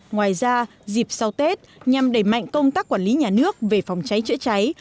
ngoài ra dịp sau tết nhằm đẩy mạnh công tác quản lý nhà nước về phòng cháy chữa cháy